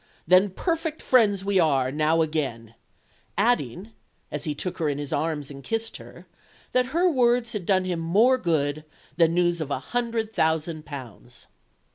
Then perfect friends we are now again," adding, as he took her in his arms and kissed her, that her words had done him more good than news of a hundred thousand pounds.